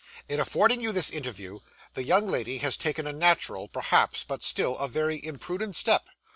'In affording you this interview, the young lady has taken a natural, perhaps, but still a very imprudent step.